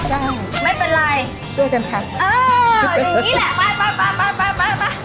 ใช่ไม่เป็นไรช่วยกันทำเอออย่างนี้แหละไปมาไป